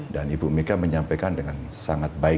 dan ibu mika menyampaikan dengan sangat baik